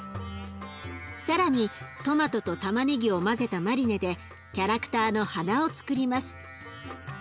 更にトマトとたまねぎを混ぜたマリネでキャラクターの鼻をつくります。